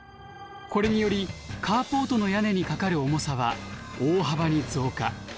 これによりカーポートの屋根にかかる重さは大幅に増加。